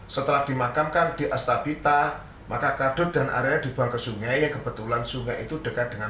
setelah dimakamkan di astabita maka kadut dan area dibuang ke sungai kebetulan sungai itu dekat dengan